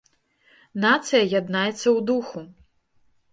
Нацыя яднаецца ў духу!